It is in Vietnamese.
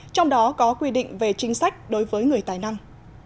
trong đó có quy định về chính sách đối với người tài năng